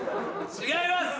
違います。